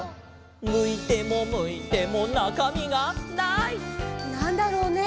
「むいてもむいてもなかみがない」なんだろうね？